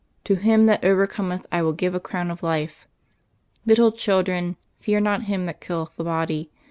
To him that overcometh I will give a crown of life. "Little children; fear not him that killeth the body.